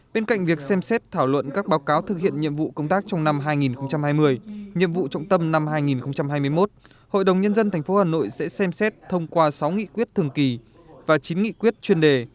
bên cạnh việc xem xét thảo luận các báo cáo thực hiện nhiệm vụ công tác trong năm hai nghìn hai mươi nhiệm vụ trọng tâm năm hai nghìn hai mươi một hội đồng nhân dân tp hà nội sẽ xem xét thông qua sáu nghị quyết thường kỳ và chín nghị quyết chuyên đề